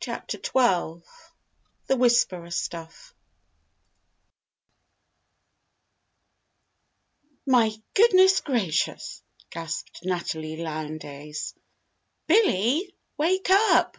CHAPTER XII "THE 'WHISPERER' STUFF" "My goodness gracious!" gasped Natalie Lowndes. "Billy wake up!